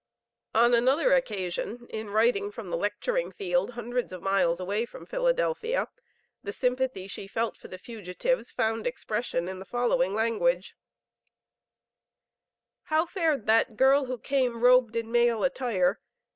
On another occasion in writing from the lecturing field hundreds of miles away from Philadelphia, the sympathy she felt for the fugitives found expression in the following language: "How fared the girl who came robed in male attire?